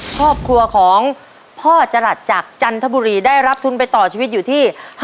ครอบครัวของพ่อจรัสจากจันทบุรีได้รับทุนไปต่อชีวิตอยู่ที่